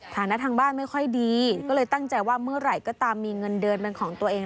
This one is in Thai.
ฐานะทางบ้านไม่ค่อยดีก็เลยตั้งใจว่าเมื่อไหร่ก็ตามมีเงินเดือนเป็นของตัวเอง